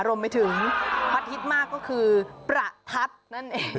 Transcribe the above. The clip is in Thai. รวมไปถึงพัดฮิตมากก็คือประพัดนั่นเอง